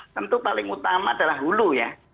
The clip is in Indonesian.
tentu paling utama adalah hulu ya